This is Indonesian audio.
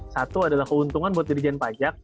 satu adalah keuntungan buat dirijen pajak